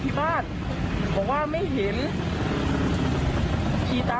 แต่ว่าหนูก็ไม่ได้ดูหา